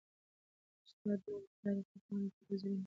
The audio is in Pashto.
د استاد نوم به د تاریخ په پاڼو کي په زرینو کرښو ليکلی وي.